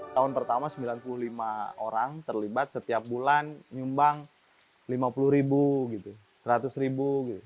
tahun pertama sembilan puluh lima orang terlibat setiap bulan menyumbang rp lima puluh rp seratus